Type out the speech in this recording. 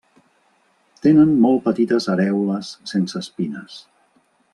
Tenen molt petites arèoles sense espines.